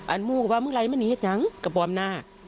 อันมูนก็ว่ามึงไหลมันหนีให้จังกับปอมน่า